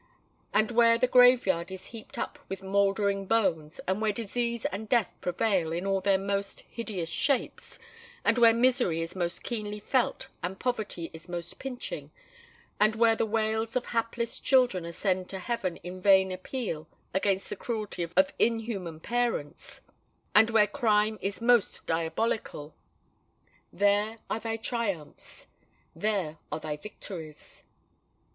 And where the grave yard is heaped up with mouldering bones—and where disease and death prevail in all their most hideous shapes—and where misery is most keenly felt, and poverty is most pinching—and where the wails of hapless children ascend to heaven in vain appeal against the cruelty of inhuman parents—and where crime is most diabolical,—there are thy triumphs—there are thy victories!